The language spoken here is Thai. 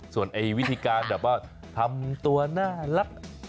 ส่วนวิธีการแบบว่าทำตัวน่ารัก